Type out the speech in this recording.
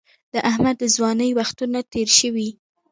د احمد د ځوانۍ وختونه تېر شوي